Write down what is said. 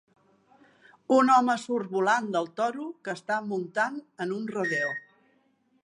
Un home surt volant del toro que està muntant en un rodeo.